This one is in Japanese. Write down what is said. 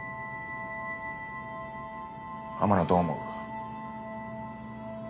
天野どう思う？